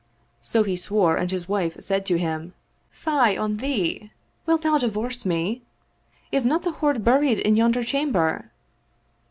So he swore and his wife said to him, "Fie on thee! Wilt thou divorce me? Is not the hoard buried in yonder chamber?